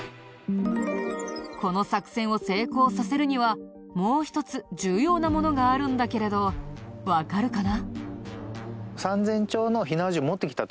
この作戦を成功させるにはもう一つ重要なものがあるんだけれどわかるかな？